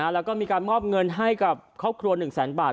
แล้วก็มีการมอบเงินให้กับครอบครัว๑แสนบาท